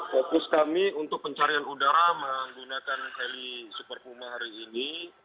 fokus kami untuk pencarian udara menggunakan heli super puma hari ini